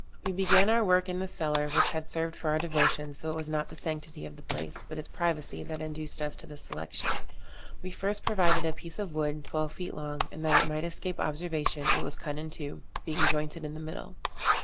We began our work in the cellar which had served for our devotions, though it was not the sanctity of the place, but its privacy, that induced us to this selection. We first provided a piece of wood, twelve feet long, and, that it might escape observation, it was cut in two, being jointed in the middle.